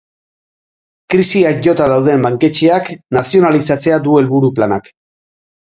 Krisiak jota dauden banketxeak nazionalizatzea du helburu planak.